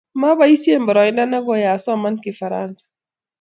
moboisien boroindo nekooi asoman kifaransa